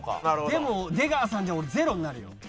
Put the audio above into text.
でも出川さんじゃ０になるよ。